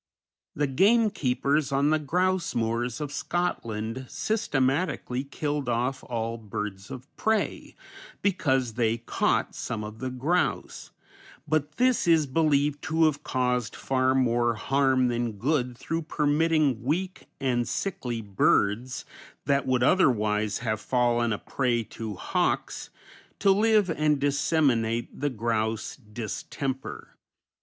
The gamekeepers on the grouse moors of Scotland systematically killed off all birds of prey because they caught some of the grouse, but this is believed to have caused far more harm than good through permitting weak and sickly birds, that would otherwise have fallen a prey to hawks, to live and disseminate the grouse distemper.